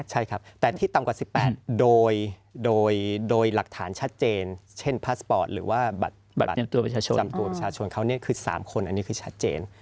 ใช่ครับแต่ที่ต่ำกว่า๑๘โดยหลักฐานชัดเจนเช่นพาสปอร์ตหรือว่าบัตรประจำตัวประชาชนเขาคือ๓คนอันนี้คือชัดเจน